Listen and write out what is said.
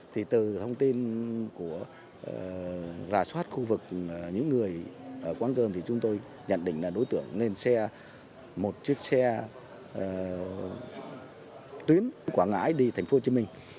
đối tượng của rà soát khu vực những người ở quán cơm thì chúng tôi nhận định là đối tượng lên xe một chiếc xe tuyến quảng ngãi đi thành phố hồ chí minh